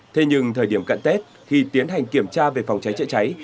thế nhưng thời điểm cận tết khi tiến hành kiểm tra về phòng cháy chữa cháy